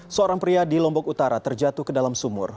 seorang pria di lombok utara terjatuh ke dalam sumur